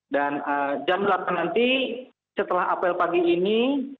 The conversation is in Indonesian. dan jam delapan nanti setelah apel pagi ini